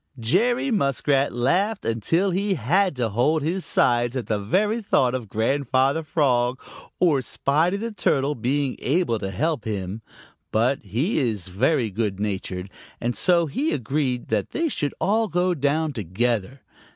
"We can help each other over the bad places." Jerry Muskrat laughed until he had to hold his sides at the very thought of Grandfather Frog or Spotty the Turtle being able to help him, but he is very good natured, and so he agreed that they should all go down together.